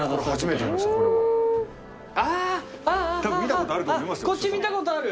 見たことあると思いますよ。